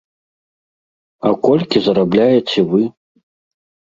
А колькі зарабляеце вы?